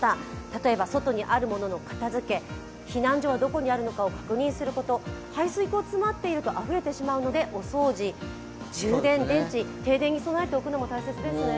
例えば外にあるものの片付け、避難所がどこにあるのかを確認すること、排水口、詰まっているとあふれてしまうのでお掃除、充電、電池、停電に備えておくのも大事ですね。